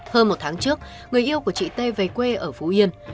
hơn một tháng trước người yêu của chị t về quê ở phú yên